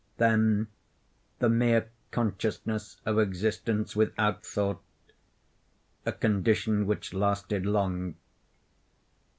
Then the mere consciousness of existence, without thought—a condition which lasted long.